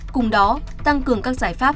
cùng đó tăng cường các giải pháp